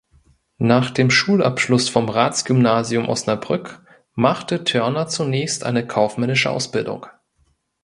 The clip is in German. Nach dem Schulabschluss vom Ratsgymnasium Osnabrück machte Thörner zunächst eine kaufmännische Ausbildung.